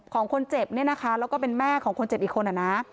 ของคนเจ็บเนี่ยนะคะแล้วก็เป็นแม่ของคนเจ็บอีกคนอ่ะนะ